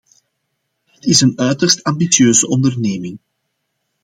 Dat is een uiterst ambitieuze onderneming.